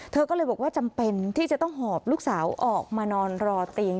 เธอก็เลยบอกว่าจำเป็นที่จะต้องหอบลูกสาวออกมานอนรอเตียง